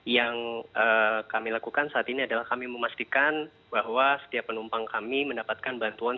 yang kami lakukan saat ini adalah kami memastikan bahwa setiap penumpang kami mendapatkan bantuan